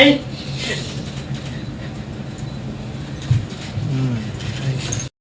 จะขอบคุณที่พูดอย่างแบบนี้